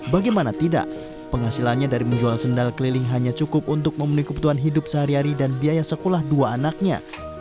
bagaimana tidak penghasilannya dari menjual sendal keliling hanya cukup untuk memenuhi kebutuhan hidup sehari hari dan biaya sekolah dua anaknya